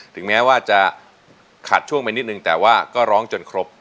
ถึงแม้ว่าจะขาดช่วงไปนิดนึงแต่ว่าก็ร้องจนครบ